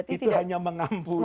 itu hanya mengampuni